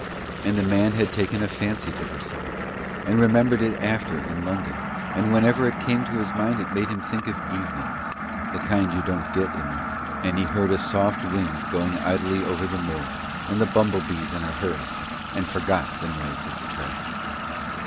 And the man had taken a fancy to the song and remembered it after in London, and whenever it came to his mind it made him think of evenings the kind you don't get in London and he heard a soft wind going idly over the moor and the bumble bees in a hurry, and forgot the noise of the traffic.